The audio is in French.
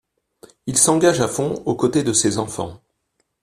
Il s’engage à fond aux côtés de ces enfants.